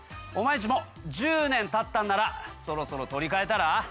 お前んちも１０年たったんならそろそろ取り替えたら？